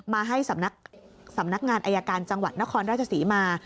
มาให้สำนักงานอายการจังหวัดนครราชศรีมา